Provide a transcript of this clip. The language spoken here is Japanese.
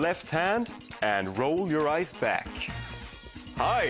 はい！